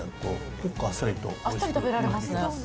結構あっさり食べられますね。